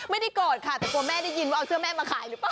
ไม่ได้โกรธค่ะแต่กลัวแม่ได้ยินว่าเอาเสื้อแม่มาขายหรือเปล่า